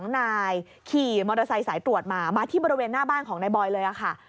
๒นายขี่มอเตอร์ไซค์สายตรวจมามาที่บริเวณหน้าบ้านของนายบอยเลยค่ะ